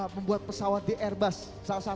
membuat pesawat di airbus